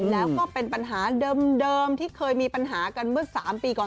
แล้วก็เป็นปัญหาเดิมที่เคยมีปัญหากันเมื่อ๓ปีก่อน